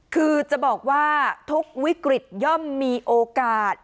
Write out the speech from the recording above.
คือจะบอกว่าทุกวิกฤตย่อมมีโอกาส